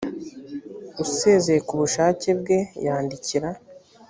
usezeye ku bushake bwe yandikira